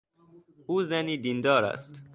او زنی دیندار است.